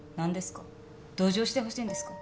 同情してほしいんですか？